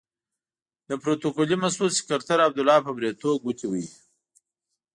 د پروتوکولي مسعود سکرتر عبدالله په بریتو ګوتې وهي.